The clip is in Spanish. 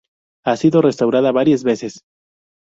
Ha sido restaurada varias veces.